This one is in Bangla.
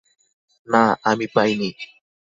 না, আমি পাইনি।